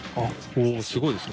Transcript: おぉすごいですね。